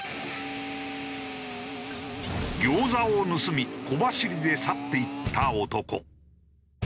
餃子を盗み小走りで去っていった男。